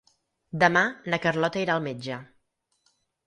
Demà na Carlota irà al metge.